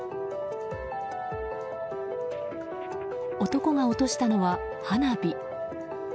男が落としたのは花火。